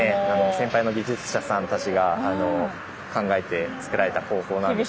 先輩の技術者さんたちが考えて造られた工法なんですけども。